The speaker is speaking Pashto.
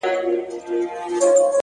پوهه د انتخابونو شمېر زیاتوي,